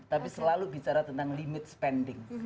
tapi selalu bicara tentang limit spending